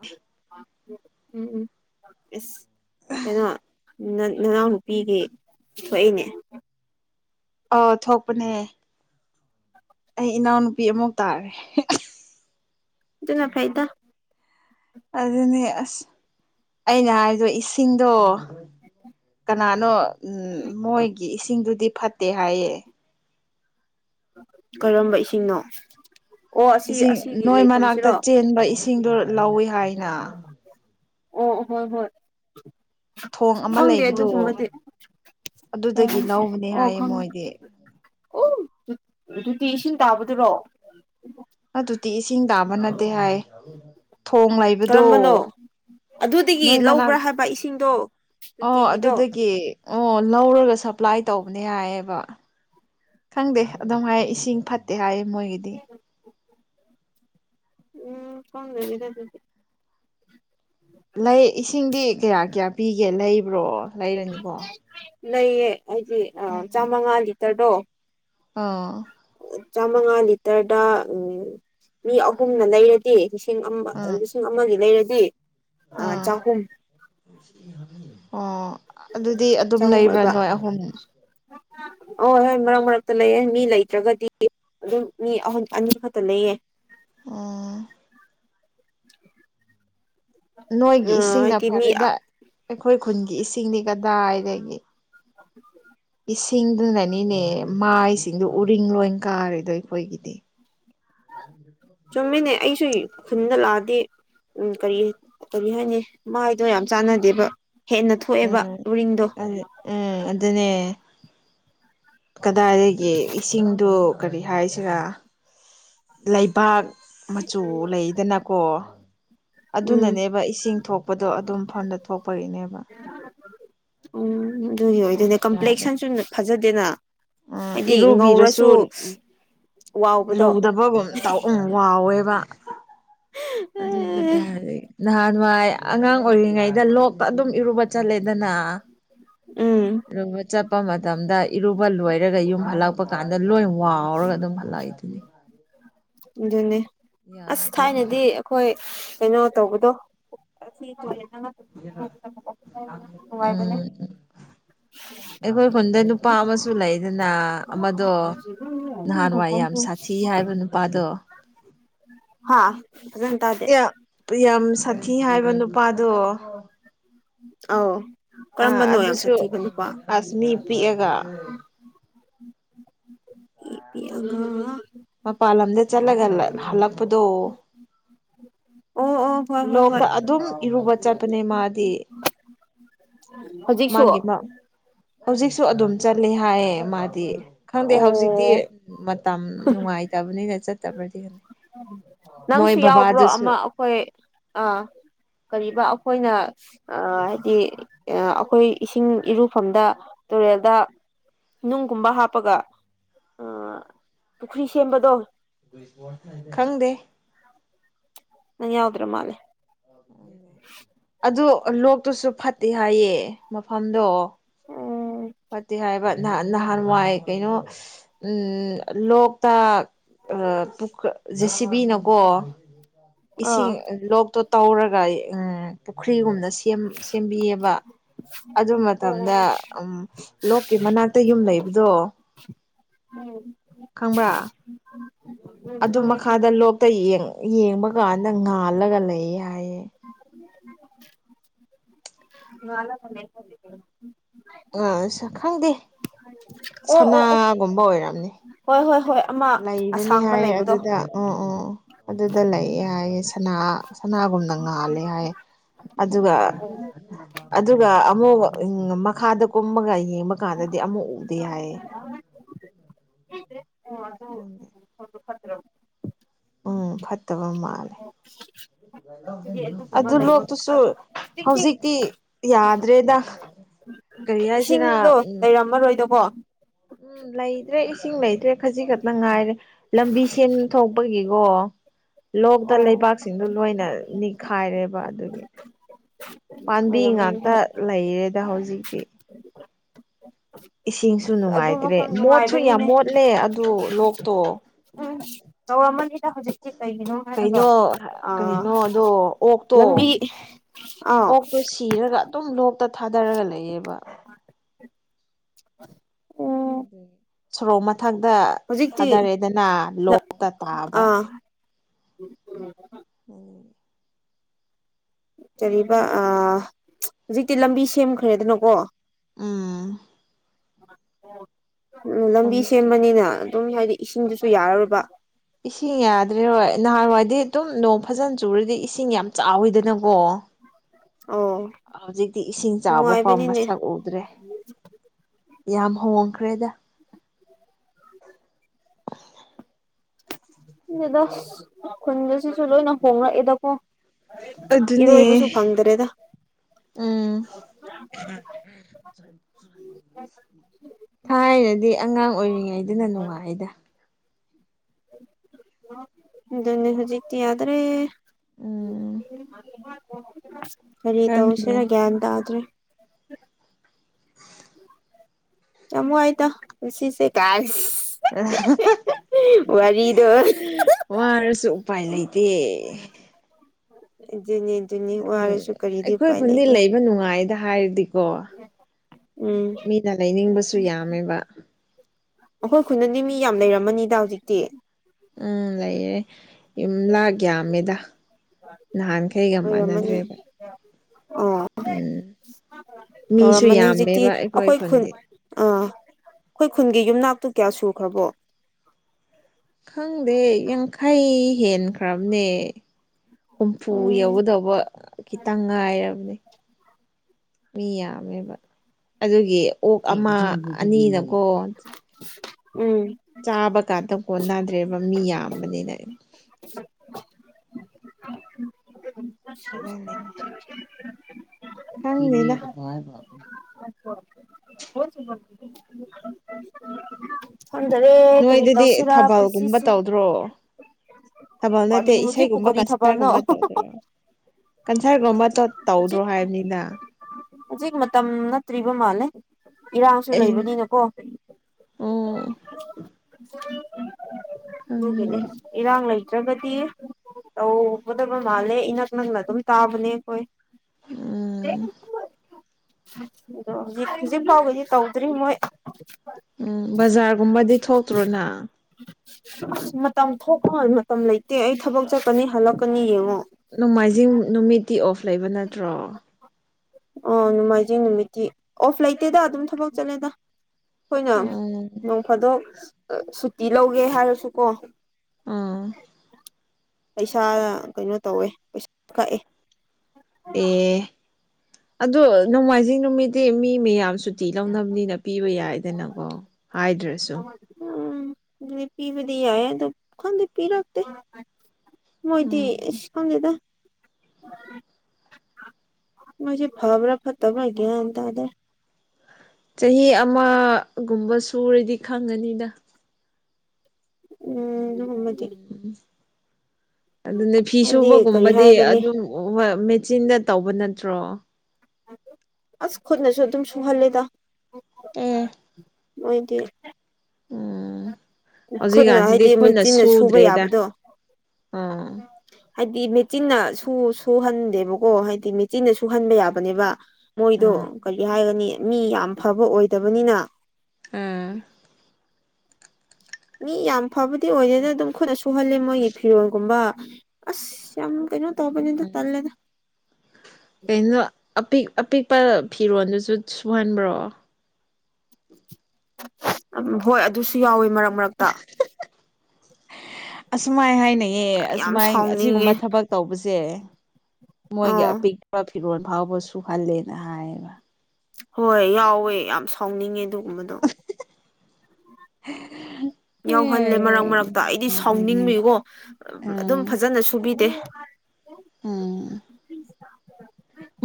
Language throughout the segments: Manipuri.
ꯑ ꯎꯝ ꯎꯝ ꯑꯦꯁ ꯀꯩꯅꯣ ꯅꯅꯥꯎ ꯅꯨꯨꯄꯤꯒꯤ ꯊꯣꯛꯏꯅꯦ ꯑ ꯊꯣꯛꯄꯅꯦ ꯑꯩ ꯏꯅꯥꯎꯅꯨꯄꯤ ꯑꯃꯐꯧ ꯇꯥꯔꯦ ꯑꯗꯨꯅ ꯐꯥꯏꯗ ꯑꯗꯨꯅꯦ ꯑꯁ ꯑꯩꯅ ꯍꯥꯏꯗꯣ ꯏꯁꯤꯡꯗꯣ ꯀꯅꯥꯅꯣ ꯎ ꯃꯣꯏꯒꯤ ꯏꯁꯤꯡꯗꯨꯗꯤ ꯐꯠꯇꯦ ꯍꯥꯏꯌꯦ ꯀꯔꯝꯕ ꯏꯁꯤꯡꯅꯣ ꯑꯣ ꯑꯁꯤ ꯏꯁꯤꯡ ꯑꯁꯤꯒꯤ ꯅꯣꯏ ꯃꯅꯥꯛꯇ ꯂꯩꯐꯝꯁꯤꯔꯣ ꯆꯦꯟꯕ ꯏꯁꯤꯡꯗꯣ ꯂꯧꯏ ꯍꯥꯏꯅ ꯑꯣ ꯍꯣꯏ ꯍꯣꯏ ꯊꯣꯡ ꯑꯃ ꯈꯪꯗꯦ ꯂꯩꯕꯗꯣ ꯑꯗꯨꯒꯨꯝꯕꯗꯤ ꯑꯣ ꯑꯗꯨꯗꯒꯤ ꯂꯧꯕꯅꯦ ꯍꯥꯏꯌꯦ ꯑꯣꯈ ꯃꯣꯏꯗꯤ ꯑꯣ ꯨꯇꯤ ꯏꯁꯤꯡ ꯇꯥꯕꯗꯨꯔꯣ ꯑꯗꯨꯗꯤ ꯏꯁꯤꯡ ꯇꯥꯕ ꯅꯠꯇꯦ ꯍꯥꯏ ꯊꯣꯡ ꯂꯩꯕꯗꯣ ꯀꯔꯝꯕꯅꯣ ꯅꯣꯏ ꯑꯗꯨꯗꯒꯤ ꯂꯧꯕ꯭ꯔꯥ ꯃꯅꯥꯛꯇ ꯍꯥꯏꯕ ꯏꯁꯤꯡꯗꯣ ꯑꯣ ꯇꯣꯇꯤꯒꯤꯗꯣ ꯑꯗꯨꯗꯒꯤ ꯑꯣ ꯂꯧꯔꯒ ꯁꯥꯄ ꯁꯄ꯭ꯂꯥꯏ ꯇꯧꯕꯅꯦ ꯍꯥꯏꯌꯦꯕ ꯈꯪꯗꯦ ꯑꯗꯨꯝ ꯍꯥꯏ ꯏꯁꯤꯡ ꯐꯠꯇꯦ ꯍꯥꯏ ꯃꯣꯏꯒꯤꯗꯤ ꯎꯝ ꯊꯉꯗ ꯑꯗꯨꯗꯤ ꯂꯩ ꯏꯁꯤꯡꯗꯤ ꯀꯌꯥ ꯀꯌꯥ ꯄꯤꯒꯦ ꯂꯩꯕ꯭ꯔꯣ ꯂꯩꯔꯅꯤꯀꯣ ꯂꯩꯌꯦ ꯍꯥꯏꯗꯤ ꯆꯥꯃꯉꯥ ꯂꯤꯇꯔꯗꯣ ꯑ [unintelligible] [inaudible] ꯆꯥꯃꯉꯥ ꯂꯤꯇꯔꯗ ꯎꯝ ꯃꯤ ꯑꯍꯨꯝꯅ ꯂꯩꯔꯗꯤ ꯂꯤꯁꯤꯡ ꯑꯃ ꯑꯥ ꯂꯤꯁꯤꯡ ꯑꯃꯒꯤ ꯂꯩꯔꯗꯤ ꯑ ꯑꯥ ꯆꯍꯨꯝ ꯑꯣ [inaudible] ꯑꯗꯨꯗꯤ ꯑꯗꯨꯝ ꯂꯩꯕ꯭ꯔꯥ ꯅꯣꯏ ꯑꯍꯨꯝ ꯍꯣꯏ ꯍꯣꯏ ꯃꯔꯛ ꯃꯔꯛꯇ ꯂꯩꯌꯦ ꯃꯤ ꯂꯩꯇ꯭ꯔꯒꯗꯤ ꯑꯗꯨꯝ ꯃꯤ ꯑꯍ ꯑꯅꯤ ꯈꯛꯇ ꯂꯩꯌꯦ ꯑ [unintelligible] [inaudible] ꯅꯣꯏꯒꯤ ꯏꯁꯤꯡꯅ ꯍꯥꯏꯗꯤ ꯃꯤ ꯐꯔꯦꯗ ꯑꯩꯈꯣꯏ ꯈꯨꯟꯒꯤ ꯏꯁꯤꯡꯅꯤ ꯀꯗꯥꯏꯗꯒꯤ [unintelligible] [inaudible] ꯏꯁꯤꯡꯗꯨꯅꯅꯤꯅꯦ ꯃꯥꯏꯁꯤꯡꯗꯨꯣ ꯎꯔꯤꯡ ꯂꯣꯏ ꯀꯥꯔꯤꯗꯣ ꯑꯩꯈꯣꯏꯒꯤꯗꯤ [unintelligible] [inaudible] ꯆꯨꯝꯃꯤꯅꯦ ꯑꯩꯁꯨ ꯈꯨꯟꯗ ꯂꯥꯛꯑꯗꯤꯦ ꯎꯝ ꯀꯔꯤ ꯀꯔꯤ ꯍꯥꯏꯅꯤ ꯃꯥꯏꯗꯣ ꯌꯥꯝ ꯆꯥꯟꯅꯗꯦꯕ ꯍꯦꯟꯅ ꯊꯣꯛꯑꯦꯕ ꯎꯝ ꯎꯔꯤꯡꯗꯣ ꯎꯝ ꯑꯗꯨꯅꯦ ꯀꯗꯥꯏꯗꯒꯤ ꯏꯁꯤꯡꯗꯣ ꯀꯔꯤ ꯍꯥꯏꯁꯤꯔ ꯂꯩꯕꯥꯛ ꯃꯆꯨ ꯂꯩꯗꯅꯀꯣ ꯎꯝ ꯑꯗꯨꯅꯅꯦꯕ ꯏꯁꯤꯡ ꯊꯣꯛꯄꯗꯣ ꯑꯗꯨꯝ ꯐꯗ ꯊꯣꯛꯄꯒꯤꯅꯦꯕ ꯎꯝ ꯑꯗꯨꯒꯤ ꯑꯣꯏꯗꯣꯏꯅꯦ ꯒ꯭ꯌꯥꯟ ꯇꯥꯔꯦ ꯀꯝꯄ꯭ꯂꯦꯛꯁꯟꯁꯨ ꯐꯖꯗꯦꯅ ꯎꯝ ꯍꯥꯏꯗꯤ ꯉꯧꯔꯁꯨ ꯋꯥꯎꯕꯗꯣ ꯂꯨꯗꯕꯒꯨꯝꯝ ꯋꯥꯎꯋꯦꯕ ꯑꯗꯨꯏ ꯀꯗꯥꯏꯗꯒꯤ ꯅꯍꯥꯟꯋꯥꯏ ꯑꯉꯥꯡ ꯑꯣꯏꯔꯤꯉꯩꯗ ꯂꯣꯛꯇ ꯑꯗꯨꯝ ꯏꯔꯨꯕ ꯆꯠꯂꯦꯗꯅ ꯎꯝ ꯏꯔꯨꯕ ꯆꯠꯄ ꯃꯇꯝꯗ ꯏꯔꯨꯕ ꯂꯣꯏꯔꯒ ꯌꯨꯝ ꯍꯜꯂꯛꯄ ꯀꯥꯟꯗ ꯂꯣꯏ ꯋꯥꯎꯔꯒ ꯑꯗꯨꯝ ꯍꯜꯂꯛꯏꯗꯨꯅꯤ ꯑꯗꯨꯅꯦ ꯑꯁ ꯌꯥꯗꯦꯕ ꯊꯥꯏꯅꯗꯤ ꯑꯩꯈꯣꯏ ꯀꯩꯅꯣ ꯇꯧꯕꯗꯣ ꯑꯁꯤ ꯂꯣꯏꯔꯦ ꯅꯨꯡꯉꯥꯏꯕꯅꯦ ꯎꯝ ꯑꯩꯈꯣꯏ ꯈꯨꯟꯗ ꯅꯨꯄꯥ ꯑꯃꯁꯨ ꯂꯩꯗꯅ ꯑꯃꯗꯣ ꯅꯍꯥꯟꯋꯥꯏ ꯌꯥꯝ ꯁꯥꯊꯤ ꯍꯥꯏꯕ ꯅꯨꯄꯥꯗꯣ ꯍꯥ ꯐꯖꯅ ꯇꯥꯗꯦ ꯌꯥꯝ ꯁꯥꯊꯤ ꯍꯥꯏꯕ ꯅꯨꯄꯥꯗꯣ ꯑ [unintelligible] [inaudible] ꯑ ꯑꯗꯨꯁꯨ ꯑꯁꯃꯤ ꯄꯤꯑꯒ ꯕꯤ [unintelligible] [inaudible] ꯃꯄꯥꯟꯂꯝꯗ ꯆꯠꯂꯒ ꯍꯜꯂꯛꯄꯗꯣ ꯑꯣ ꯑꯣ ꯍꯣꯏ ꯍꯣꯏ ꯍꯣꯏ ꯂꯣꯛꯇ ꯑꯗꯨꯝ ꯏꯔꯨꯕ ꯆꯠꯄꯅꯦ ꯃꯥꯗꯤ ꯍꯧꯖꯤꯛꯁꯨ ꯃꯥꯒꯤ ꯃꯥ ꯍꯧꯖꯤꯛꯁꯨ ꯑꯗꯨꯝ ꯆꯠꯂꯤ ꯍꯥꯏꯌꯦ ꯃꯥꯗꯤ ꯈꯪꯗꯦ ꯍꯧꯖꯤꯛꯇꯤ ꯑꯣ ꯇ ꯅꯨꯡꯉꯥꯏꯇꯕꯅꯤꯅ ꯆꯠꯇꯕ꯭ꯔꯗꯤ ꯈ ꯅꯪꯁꯨ ꯌꯥꯎꯕ꯭ꯔꯣ ꯑꯃ ꯑꯩꯈꯣꯏ ꯑꯥ ꯀꯔꯤꯕ ꯑꯩꯈꯣꯏꯅ ꯍꯥꯏꯗꯤ ꯑꯩꯈꯣꯏ ꯏꯁꯤꯡ ꯏꯔꯨꯐꯝꯗ ꯇꯨꯔꯦꯜꯗ ꯅꯨꯡꯒꯨꯝꯕ ꯍꯥꯞꯄꯒ ꯄꯨꯈ꯭ꯔꯤ ꯁꯦꯝꯕꯗꯣ ꯈꯪꯗꯦ ꯅ ꯌꯥꯎꯗ꯭ꯔꯣ ꯃꯥꯂꯦ [unintelligible] [inaudible] ꯑꯗꯨꯗ ꯂꯣꯛꯇꯨꯁꯨ ꯐꯠꯇꯦ ꯍꯥꯏꯌꯦ ꯃꯐꯝꯗꯣ ꯐꯠꯇꯦ ꯍꯥꯏꯕ ꯅꯍꯥꯟꯋꯥꯏ ꯀꯩꯅꯣ ꯎꯝ ꯂꯣꯛꯇ ꯄꯨꯈ ꯖꯦ ꯁꯤꯕꯤꯅꯀꯣ ꯏꯁꯤꯡ ꯑꯥ ꯂꯣꯛꯇꯣ ꯇꯧꯔꯒ ꯎꯝ ꯄꯨꯈ꯭ꯔꯤꯒꯨꯝꯗꯅ ꯁꯦꯝꯕꯤꯑꯕ ꯑꯗꯨ ꯑꯣ ꯃꯇꯝꯗ ꯎꯝ ꯂꯣꯛꯀꯤ ꯃꯅꯥꯛꯇ ꯌꯨꯝ ꯂꯩꯕꯗꯣ ꯎꯝ ꯈꯪꯕ꯭ꯔꯥ ꯑꯗꯨ ꯃꯈꯥꯗ ꯂꯣꯛꯇ ꯌꯦꯡꯕ ꯥꯟꯗꯪ ꯉ ꯑꯜꯒꯌꯦ ꯌꯥꯌꯦ ꯂ ꯑ ꯑꯁ ꯈꯪꯗꯦ ꯑꯣ ꯑꯣ ꯁꯅꯥꯒꯨꯝꯕ ꯑꯣꯏꯔꯝꯅꯦ ꯍꯣꯏ ꯍꯣꯏ ꯍꯣꯏ ꯑꯃ ꯂꯩꯕꯅꯤ ꯑꯁꯥꯡꯕ ꯍꯥꯏꯌꯦ ꯂꯩꯕꯗꯣ ꯑꯗꯨꯗ ꯎ ꯑꯣ ꯑꯗꯨꯗ ꯂꯩꯌꯦ ꯍꯥꯏꯏ ꯁꯅꯥ ꯁꯅꯥꯒꯨꯝꯅ ꯉꯥꯜꯂꯦ ꯍꯥꯏ ꯑꯗꯨꯒ ꯑꯗꯨꯒ ꯑꯃꯨ ꯎ ꯃꯈꯥꯗ ꯀꯨꯝꯃꯒ ꯑꯩ ꯌꯦꯡꯕ ꯀꯥꯟꯗꯗꯤ ꯑꯃꯨꯛ ꯎꯗ ꯌꯥꯌꯦ ꯑꯣ ꯑꯗꯨ ꯎ ꯐꯣꯟꯗꯣ ꯐꯠꯇ꯭ꯔꯕ ꯎꯝ ꯐꯠꯇꯕ ꯃꯥꯜꯂꯦ ꯁꯤꯗꯤ ꯑꯗꯨꯒꯨꯝꯕ ꯑꯗꯨ ꯂꯩꯕ ꯂꯣꯛꯇꯨꯁꯨ ꯍꯧꯖꯤꯛꯇꯤ ꯌꯥꯗ꯭ꯔꯦꯗ ꯀꯔꯤ ꯏꯁꯤꯡꯗꯣ ꯍꯥꯏꯁꯤꯔ ꯎꯝ ꯂꯩꯔꯝꯃꯔꯣꯏꯗꯕꯣ ꯎꯝ ꯂꯩꯇ꯭ꯔꯦ ꯏꯁꯤꯡ ꯂꯩꯇ꯭ꯔꯦ ꯈꯖꯤꯛ ꯈꯛꯇ ꯉꯥꯏꯔꯦ ꯂꯝꯕꯤ ꯁꯦꯟ ꯊꯣꯛꯄꯒꯤꯀꯣ ꯂꯣꯛꯇ ꯑꯣ ꯂꯩꯕꯥꯛꯁꯤꯡꯗꯨ ꯂꯣꯏꯅ ꯅꯤꯡꯅꯤꯈꯥꯏꯔꯦꯕ ꯑꯗꯨꯒꯤ ꯄꯥꯝꯕꯤ ꯑꯣꯏꯔꯝꯃꯅꯤ ꯉꯥꯛꯇ ꯍꯣꯏ ꯂꯩꯔꯦꯗ ꯍꯧꯖꯤꯛꯇꯤ ꯏꯁꯤꯡꯁꯨ ꯑꯁ ꯑꯗꯨ ꯅꯨꯡꯉꯥꯏꯗ꯭ꯔꯦ ꯃꯐꯝ ꯃꯣꯠꯁꯨ ꯌꯥꯝ ꯅꯨꯡꯉꯥꯏꯕꯅꯤꯅꯦ ꯃꯣꯠꯂꯦ ꯑꯗꯨ ꯂꯣꯛꯇꯣ ꯎ ꯇꯧ ꯑꯃꯒꯤꯗ ꯍꯧꯖꯤ ꯀꯩꯒꯤꯅꯣ ꯍꯥꯏꯔꯒ ꯀꯩꯅꯣ ꯑ ꯀꯔꯤꯅꯣꯗꯣ ꯑꯣꯛꯇꯣ ꯂꯝꯕꯤ ꯑꯥ ꯑꯣꯛꯇꯣ ꯁꯤꯔꯒ ꯑꯗꯨꯝ ꯂꯣꯛꯇ ꯊꯥꯗꯔꯒ ꯂꯩꯌꯦꯕ ꯑꯗꯨ ꯁꯣꯃ ꯃꯊꯛꯇ ꯍꯧꯖꯤꯛꯇꯤ ꯊꯥꯗꯔꯛꯦꯗꯅ ꯂꯣꯛꯇ ꯇꯥꯕ ꯑꯥ ꯎꯝ ꯆꯔꯤꯕ ꯍꯧꯖꯤꯛꯇꯤ ꯂꯝꯕꯤ ꯁꯦꯝꯈ꯭ꯔꯦꯗꯅꯀꯣ ꯑꯥ ꯎꯝ ꯂꯝꯕꯤ ꯁꯦꯝꯕꯅꯤꯅ ꯑꯗꯨꯝ ꯍꯥꯏꯗꯤ ꯏꯁꯤꯡꯗꯨꯁꯨ ꯌꯥꯔꯨꯔꯕ ꯏꯁꯤꯡ ꯌꯥꯗ꯭ꯔꯦ ꯍꯣꯏ ꯅꯍꯥꯟꯋꯥꯏꯗꯤ ꯑꯗꯨꯝ ꯅꯣꯡ ꯐꯖꯅ ꯆꯨꯔꯗꯤ ꯏꯁꯤꯡ ꯌꯥꯝ ꯆꯥꯎꯋꯏꯗꯅꯀꯣ ꯑꯣ ꯍꯧꯖꯤꯛꯇꯤ ꯏꯁꯤꯡ ꯆꯥꯕ ꯅꯨꯡꯉꯥꯏꯕꯅꯤꯅꯦ ꯐꯕꯁꯛ ꯎꯗ꯭ꯔꯦ ꯌꯥꯝ ꯍꯣꯡꯈ꯭ꯔꯦꯗ ꯗ ꯈꯨꯟ ꯑꯁꯤꯁꯨ ꯂꯣꯏꯅ ꯍꯣꯡꯂꯛꯑꯦꯗꯀꯣ ꯑꯗꯨꯅꯦ ꯏꯔꯣꯏꯕꯁꯨ ꯐꯪꯗ꯭ꯔꯦꯗ ꯎꯝ ꯁ ꯎꯝ ꯊꯥꯏꯔꯗꯤ ꯑꯉꯥꯡ ꯑꯣꯏꯔꯤꯉꯩꯗꯨꯅ ꯅꯨꯡꯉꯥꯏꯥꯏꯗ ꯑꯗꯨꯅꯤ ꯍꯧꯖꯤꯛꯇꯗ꯭ꯔꯦ ꯎꯝ ꯀꯔꯤ ꯇꯧꯁꯤꯔ ꯈꯪꯗꯦ ꯒ꯭ꯌꯥꯟ ꯇꯥꯗ꯭ꯔꯦ [inaudible] ꯆꯃꯣꯥꯏꯗ ꯁꯤꯁꯦ ꯀꯥꯏ ꯋꯥꯔꯤꯗꯣ ꯑ ꯋꯥꯔꯁꯨ ꯎꯄꯥꯏ ꯂꯩꯇꯦ [inaudible] ꯑꯗꯨꯝ ꯋꯥꯔꯁꯨ ꯀꯔꯤꯗꯤ ꯑꯩꯈꯣꯏ ꯎꯄꯥꯏ ꯈꯨꯟꯗꯤ ꯂꯩꯕ꯭ꯔꯥ ꯂꯩꯕ ꯅꯨꯡꯉꯥꯏ ꯍꯥꯏꯔꯗꯤꯀꯣ ꯎꯝ ꯃꯤꯅ ꯂꯩꯅꯤꯡꯕꯁꯨ ꯌꯥꯝꯃꯦꯕ ꯑꯩꯈꯣꯏ ꯈꯨꯅꯗꯤ ꯃꯤ ꯌꯥꯝ ꯂꯩꯔꯝꯃꯅꯤꯗ ꯍꯧꯖꯤꯛꯇꯤ ꯎꯝ ꯂꯩꯔꯦ ꯌꯨꯝꯂꯥꯛ ꯌꯥꯝꯃꯦꯗ ꯅꯍꯥꯟꯈꯩꯒ ꯑꯣꯏꯔꯝꯃꯅꯤ ꯃꯥꯟꯅꯗ꯭ꯔꯦꯕ ꯎꯝ ꯑꯣ ꯃꯤꯁꯨ ꯇꯧꯔꯝꯃꯅꯤ ꯍꯧꯖꯤꯛꯇꯤ ꯌꯥꯝꯃꯦꯕ ꯑꯩꯈꯣꯏ ꯈꯨꯟ ꯈꯨꯟꯗꯤ ꯑꯥ ꯑꯩꯈꯣꯏ ꯈꯨꯟꯒꯤ ꯌꯨꯝꯅꯥꯛꯇꯨ ꯀꯌꯥ ꯁꯨꯈ꯭ꯔꯕꯣ ꯈꯪꯗꯦ ꯌꯥꯡꯈꯩ ꯍꯦꯟꯈ꯭ꯔꯕꯅꯦ ꯍꯨꯝꯐꯨ ꯎꯝ ꯌꯧꯒꯗꯧꯕ ꯈꯤꯇꯡ ꯉꯥꯏꯔꯕꯅꯦ ꯃꯤ ꯌꯥꯝꯃꯦꯕ ꯑꯗꯨꯒꯤ ꯑꯣꯛ ꯑꯃ ꯑꯅꯤꯅꯀꯣ ꯎꯝ ꯆꯥꯕꯀꯥꯟꯗ ꯀꯣꯟꯅꯗ꯭ꯔꯦꯕ ꯃꯤ ꯌꯥꯝꯕꯅꯤꯅ [unintelligible] ꯈꯪꯗ‌ꯦꯗ ꯍꯁꯨ [unintelligible] ꯈꯪꯗꯔꯦ ꯀꯔꯤ ꯅꯣꯏꯗꯗꯤ ꯇꯧꯁꯤꯔꯥ ꯄꯨꯟꯁꯤꯁꯦ ꯊꯕꯜ ꯅꯠꯇꯦ ꯀꯔꯤ ꯍꯧꯖꯤꯛꯄꯨ ꯏꯁꯩꯒꯨꯝꯕ ꯀꯔꯤ ꯊꯕꯛꯅꯣ ꯀꯟꯁꯔꯒꯨꯝꯕ ꯇꯧꯗꯣꯏꯔꫭ ꯀꯟꯁꯔꯒꯨꯝꯕꯇꯣ ꯍꯧꯖꯤꯛ ꯇꯧꯗ꯭ꯔꯣ ꯍꯥꯏꯕꯅꯤꯅ ꯍꯧꯖꯤꯛ ꯃꯇꯝ ꯅꯠꯇ꯭ꯔꯤꯕ ꯃꯥꯜꯂꯦ ꯏꯔꯥꯡꯁꯨ ꯑꯦ ꯂꯩꯕꯅꯤꯅꯀꯣ ꯑꯣ ꯈꯪꯗꯦ ꯈꯪꯗ‌ꯦꯅꯦ ꯏꯔꯥꯡ ꯂꯩ ꯅꯠꯇ꯭ꯔꯒꯗꯤ ꯇꯧꯒꯗꯕ ꯃꯥꯜꯂꯦ ꯏꯅꯛ ꯅꯛꯅ ꯑꯗꯨꯝ ꯇꯥꯕꯅꯦ ꯑꯩꯈꯣꯏ ꯎꯝ ꯑꯗꯣ ꯍꯧꯖꯤꯛ ꯍꯧꯖꯤꯛ ꯐꯥꯎꯕꯗꯤ ꯇꯧꯗ꯭ꯔꯤ ꯃꯣꯏ ꯎꯝ ꯕꯖꯥꯔꯒꯨꯝꯕꯗꯤ ꯊꯣꯛꯇ꯭ꯔꯣꯅ ꯑꯁ ꯃꯇꯝ ꯊꯣꯛꯄ ꯃꯇꯝ ꯂꯩꯇꯦ ꯑꯩ ꯊꯕꯛ ꯆꯠ ꯎ ꯅꯣꯡꯃꯥꯏꯖꯤꯡ ꯅꯨꯃꯤꯠꯇꯤ ꯑꯣꯐ ꯂꯩꯕ ꯅꯠꯇ꯭ꯔꯣ ꯑꯣ ꯅꯣꯡꯃꯥꯏꯖꯤꯡ ꯅꯨꯃꯤꯠꯇꯤ ꯑꯣꯐ ꯂꯩꯇꯦꯗ ꯑꯗꯨꯝ ꯊꯕꯛ ꯆꯠꯂꯦꯗ ꯑꯩꯈꯣꯏꯅ ꯑꯣ ꯅꯣꯡ ꯐꯥꯗꯣꯛ ꯁꯨꯇꯤ ꯂꯧꯒꯦ ꯍꯥꯏꯔꯁꯨꯀꯣ ꯑꯥꯡ ꯄꯩꯁꯥ ꯀꯩꯅꯣ ꯇꯧꯋꯦ ꯄꯩꯁꯥ ꯀꯛꯑꯦ ꯑꯦ ꯑꯗꯣ ꯅꯣꯡꯃꯥꯏꯖꯤꯡ ꯅꯨꯃꯤꯠꯇꯤ ꯃꯤ ꯃꯌꯥꯝ ꯁꯨꯇꯤ ꯂꯧꯅꯕꯅꯤꯅ ꯄꯤꯕ ꯌꯥꯏꯗꯅꯀꯣ ꯍꯥꯏꯗ꯭ꯔꯁꯨ ꯂꯤꯞ ꯄꯕꯗꯤꯗ ꯈꯪꯗ ꯄꯤꯔꯛꯇ‌ꯦ ꯃꯣꯏꯗꯤ ꯎꯝ ꯏꯁꯩ ꯗꯪꯗꯦꯗ ꯃꯦ ꯐꯥꯕꯔ ꯐꯠꯇꯕ꯭ꯔꯥ ꯒꯌꯥꯟ ꯇꯥꯗꯔ [unintelligible] ꯎꯝ ꯗꯨꯒꯨꯝꯕꯗꯤ ꯎꯝ ꯑꯗꯨꯅꯦ ꯐꯤ ꯀꯔꯤ ꯁꯨꯕꯒꯨꯝꯕꯗꯤ ꯍꯥꯏꯒꯅꯤ ꯑꯗꯨꯝ ꯍꯣꯏ ꯃꯦꯆꯤꯟꯅ ꯇꯧꯕ ꯅꯠꯇ꯭ꯔꯣ ꯑꯁ ꯈꯨꯠꯅꯁꯨ ꯑꯗꯨꯝ ꯁꯨꯍꯜꯂꯗ ꯑꯦ ꯃꯣꯏꯗꯤ ꯎꯝ ꯈꯨꯠꯅ ꯍꯧꯖꯤꯛꯀꯥꯟꯁꯤꯗꯤ ꯍꯥꯏꯗꯤ ꯈꯨꯠꯅ ꯃꯦꯆꯤꯟꯅ ꯁꯨꯕ ꯁꯨꯗ꯭ꯔꯦꯗ ꯌꯥꯕꯗꯣ ꯍꯥꯏꯗꯤ ꯑꯥ ꯍꯥꯏꯗꯤ ꯃꯦꯆꯤꯟꯅ ꯁꯨ ꯁꯨꯍꯟꯗꯦꯕꯀꯣ ꯍꯥꯏꯗꯤ ꯃꯦꯆꯤꯟꯅ ꯁꯨꯍꯟꯕ ꯌꯥꯕꯅꯦꯕ ꯃꯣꯏꯗꯣ ꯎꯝ ꯀꯔꯤ ꯍꯥꯏꯒꯅꯤ ꯃꯤ ꯌꯥꯝ ꯐꯕ ꯑꯣꯏꯗꯕꯅꯤꯅ ꯑꯝ ꯃꯤ ꯌꯥꯝ ꯐꯕꯗꯤ ꯑꯣꯏꯗꯦꯗꯅ ꯑꯗꯨꯝ ꯈꯨꯠꯅ ꯁꯨꯍꯜꯂꯦ ꯃꯣꯏꯒꯤ ꯐꯤꯔꯣꯜꯒꯨꯝꯕ ꯑꯁ ꯌꯥꯝ ꯀꯩꯩꯅꯣꯇꯧꯕꯅꯤꯗ ꯇꯜꯂꯗ ꯀꯩꯅꯣ ꯑꯄꯤ ꯑꯄꯤꯛꯄ ꯐꯤꯔꯣꯜꯗꯨꯁꯨ ꯁꯨꯍꯟꯕ꯭ꯔꯣ ꯍꯣꯏ ꯑꯗꯨꯁꯨ ꯌꯥꯎꯋꯤ ꯃꯔꯛ ꯃꯔꯛꯇ ꯑꯁꯨꯃꯥꯏ ꯍꯥꯏꯅ ꯩꯌꯦ ꯌꯥꯝ ꯑꯁꯨꯃꯥꯏ ꯑꯁꯤꯒꯨꯝꯕ ꯁꯥꯎꯅꯤꯡꯉꯦ ꯊꯕꯛ ꯇꯧꯕꯁꯦ ꯃꯣꯏꯒꯤ ꯑꯥ ꯑꯄꯤꯛꯄ ꯐꯤꯔꯣꯜ ꯐꯥꯎꯕꯁꯨꯨꯍꯜꯂꯦꯅ ꯍꯥꯏꯌꯦꯕ ꯍꯣꯏ ꯌꯥꯎꯋꯦ ꯌꯥꯝ ꯁꯥꯎꯅꯤꯡꯉꯦ ꯑꯗꯨꯒꯨꯝꯕꯗꯣ ꯍ ꯌꯥꯎꯍꯜꯂꯦ ꯃꯔꯛ ꯃꯔꯛꯇ ꯑꯩꯗꯤ ꯁꯥꯎꯅꯤꯡꯕꯤꯨꯀꯣ ꯑꯥ ꯑꯗꯨꯝ ꯐꯖꯅ ꯁꯨꯕꯤꯗꯦ ꯎꯝ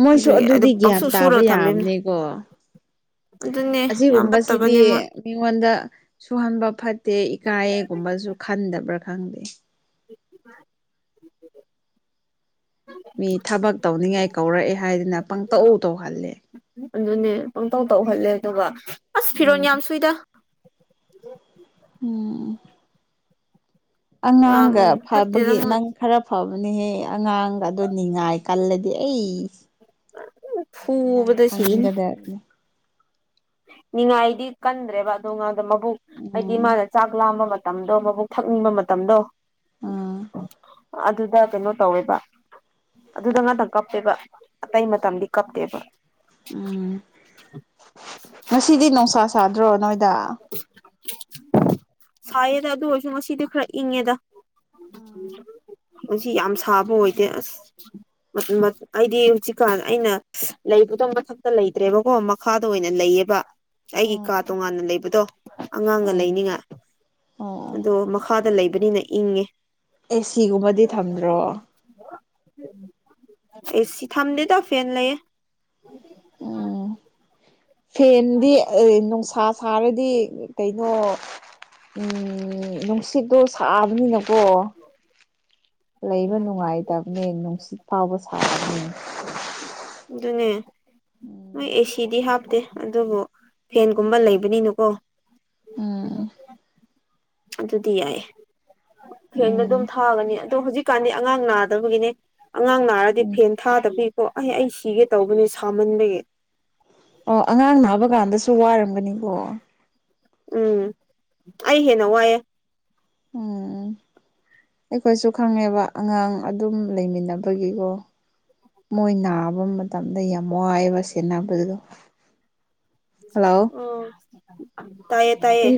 ꯃꯣꯏꯁꯨ ꯑꯗꯨꯒꯤ ꯑꯗꯨꯝ ꯑꯗꯨꯗꯤ ꯒ꯭ꯌꯥꯟ ꯄꯪꯁꯨ ꯇꯥꯕ ꯁꯨꯔꯒ ꯊꯝꯕꯤꯕꯅꯦ ꯌꯥꯕꯅꯤꯀꯣ ꯑꯗꯨꯅꯦ ꯌꯥꯝ ꯑꯁꯤꯒꯨꯝꯕꯁꯤꯗꯤ ꯐꯠꯇꯕꯅꯦ ꯃꯣꯏ ꯃꯤꯉꯣꯟꯗ ꯁꯨꯍꯟꯕ ꯐꯠ ꯇꯦ ꯏꯀꯥꯏꯒꯨꯝꯕꯁꯨ ꯈꯟꯗꯕ꯭ꯔꯥ ꯈꯪꯗꯦ ꯃꯤ ꯊꯕꯛ ꯇꯧꯅꯤꯡꯉꯥꯏ ꯀꯧꯔꯛꯑꯦ ꯍꯥꯏꯗꯅ ꯄꯪꯇꯧ ꯇꯧꯍꯜꯂꯦ ꯑꯗꯨꯅꯦ ꯄꯪꯇꯧ ꯇꯧꯍꯜꯂꯦ ꯑꯗꯨꯒ ꯑꯁ ꯐꯤꯔꯣꯟꯜ ꯌꯥꯝ ꯎꯝ ꯁꯨꯏꯗ ꯎꯝ ꯑꯉꯥꯡꯒ ꯌꯥꯝ ꯐꯠꯇꯦꯗ ꯐꯕꯒꯤ ꯃꯣꯏ ꯅꯪ ꯈꯔ ꯐꯕ ꯑꯗꯨꯅꯍꯦ ꯑꯉꯥꯡ ꯑꯗꯨꯗꯣ ꯅꯤꯡꯉꯥꯏ ꯀꯜꯂꯗꯤ ꯑꯩ ꯅꯪ ꯐꯨꯕꯗ ꯁꯤꯅꯤ ꯈꯪꯒꯗꯕꯅꯦ ꯅꯤꯡꯉꯥꯏꯗꯤ ꯀꯟꯗ꯭ꯔꯦꯕ ꯑꯗꯣ ꯉꯥꯡꯗꯣ ꯃꯕꯨꯛ ꯍꯥꯏꯗꯤ ꯎꯝ ꯃꯥꯅ ꯆꯥꯛ ꯂꯥꯝꯕ ꯃꯇꯝ ꯃꯇꯝꯗꯣ ꯃꯕꯨꯛ ꯊꯛꯅꯤꯡꯕ ꯃꯇꯝꯗꯣ ꯑꯥ ꯑꯗꯨꯗ ꯀꯩꯅꯣ ꯇꯧꯋꯦꯕ ꯑꯗꯨꯗ ꯉꯥꯛꯇꯪ ꯀꯞꯇꯦꯕ ꯑꯇꯩ ꯃꯇꯝꯗꯤ ꯀꯞꯇꯦꯕ ꯎꯝ ꯉꯁꯤꯗꯤ ꯅꯨꯡꯁꯥ ꯁꯥꯗ꯭ꯔꯣ ꯅꯣꯏꯗ ꯁꯥꯏꯌꯦꯗ ꯑꯗꯨ ꯑꯣꯏꯔꯁꯨ ꯉꯁꯤꯗꯤ ꯈꯔ ꯏꯪꯉꯦꯗ ꯎꯝ ꯑꯩꯁꯤ ꯌꯥꯝ ꯁꯥꯕ ꯑꯣꯏꯗꯦ ꯑꯁ ꯑꯩꯗꯤ ꯍꯧꯖꯤꯛꯀꯥꯟ ꯑꯩꯅ ꯂꯩꯕꯨꯗ ꯃꯊꯛꯇ ꯂꯩꯇ꯭ꯔꯦꯕꯀꯣ ꯃꯈꯥꯗ ꯑꯣꯏꯅ ꯂꯩꯌꯦꯕ ꯑꯩꯒꯤ ꯑꯣ ꯀꯥ ꯇꯣꯉꯥꯟꯅ ꯂꯩꯕꯗꯣ ꯑꯉꯥꯡꯒ ꯑꯣ ꯂꯩꯅꯤꯉꯥꯏ ꯑꯗꯣ ꯃꯈꯥꯗ ꯂꯩꯕꯅꯤꯅ ꯏꯪꯉꯦ ꯑꯦꯁꯤꯒꯨꯝꯕꯗꯤ ꯊꯝꯗ꯭ꯔꯣ ꯑꯦꯁꯤ ꯊꯝꯗꯦꯗ ꯐꯦꯟ ꯂꯩꯌꯦ ꯎꯝ ꯐꯦꯟꯗꯤ ꯑ ꯅꯨꯡꯁꯥ ꯁꯥꯔꯗꯤ ꯀꯩꯅꯣ ꯅꯨꯡꯁꯤꯠꯇꯣ ꯊꯛꯑꯕꯅꯤꯅꯀꯣ ꯂꯩꯕ ꯅꯨꯡꯉꯥꯏꯇꯕꯅꯦ ꯅꯨꯡꯁꯤꯠ ꯐꯥꯎꯕ ꯎ ꯎꯝ ꯑꯗꯨꯅꯦ ꯅꯣꯏ ꯑꯦꯁꯤꯗꯤ ꯍꯥꯞꯇꯦ ꯑꯗꯨꯕꯨ ꯐꯦꯟꯒꯨꯝꯕ ꯂꯩꯕꯅꯤꯅꯀꯣ ꯎꯝ ꯑꯗꯨꯗꯤ ꯌꯥꯏ ꯐꯦꯟꯗ ꯑꯗꯨꯝ ꯎꯝ ꯊꯥꯒꯅꯤ ꯑꯗꯣ ꯍꯧꯖꯤꯛꯀꯥꯟꯗꯤ ꯑꯉꯥꯡ ꯅꯥꯗꯕꯒꯤꯅꯦ ꯑꯉꯥꯡ ꯅꯥꯔꯗꯤ ꯐꯦꯟ ꯎꯝ ꯊꯥꯗꯕ ꯆꯄꯤꯀꯣ ꯑꯩ ꯑꯩ ꯁꯤꯒꯦ ꯇꯧꯕꯅꯦ ꯁꯥꯃꯟꯕꯒꯤ ꯑꯣ ꯑꯉꯥꯡ ꯅꯥꯕ ꯀꯥꯟꯗꯁꯨ ꯋꯥꯔꯝꯒꯅꯤꯀꯣ ꯎꯝ ꯑꯩ ꯍꯦꯟꯅ ꯋꯥꯏꯑꯦ ꯎꯝ ꯑꯩꯈꯣꯏꯁꯨ ꯈꯪꯉꯦꯕ ꯑꯉꯥꯡ ꯑꯗꯨꯝ ꯂꯩꯃꯤꯟꯅꯕꯒꯤꯀꯣ ꯃꯣꯏ ꯅꯥꯕ ꯃꯇꯝꯗ ꯌꯥꯝ ꯋꯥꯏꯑꯦꯕ ꯁꯦꯟꯅꯕꯗꯨꯗꯣ ꯑꯣ ꯇꯥꯏꯌꯦ ꯇꯥꯏꯌꯦ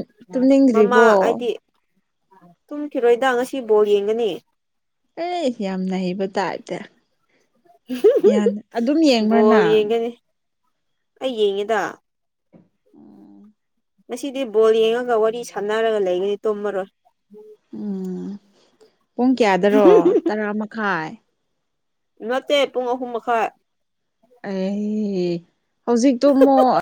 ꯃꯃꯥ ꯇꯨꯝꯅꯤꯡꯗ꯭ꯔꯤꯕꯣ ꯍꯥꯏꯗꯤ ꯇꯨꯝꯈꯤꯔꯣꯏꯗ ꯉꯁꯤ ꯕꯣꯜ ꯌꯦꯡꯒꯅꯤ ꯑꯦ ꯌꯥꯝꯅ ꯍꯩꯕ ꯇꯥꯏꯗꯤ ꯌꯦꯡꯕ꯭ꯔ ꯕꯣꯜ ꯅꯪ ꯌꯦꯡꯒꯅꯤ ꯑꯩ ꯌꯦꯡꯉꯦꯗ ꯎꯝ ꯉꯁꯤꯗꯤ ꯕꯣꯜ ꯌꯦꯡꯉꯒ ꯋꯥꯔꯤ ꯁꯥꯟꯅꯔꯒ ꯂꯩꯒꯅꯤ ꯇꯣꯃꯔꯣꯏ ꯎꯝ ꯄꯨꯡ ꯀꯌꯥꯗꯔꯣ ꯇꯔꯥ ꯃꯈꯥꯏ ꯅꯠꯇꯦ ꯄꯨꯡ ꯑꯍꯨꯝ ꯃꯈꯥꯏ ꯑꯦ ꯍꯧꯖꯤꯛꯇꯨ ꯃꯨꯛ